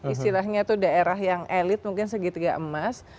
istilahnya itu daerah yang elit mungkin segitiga emas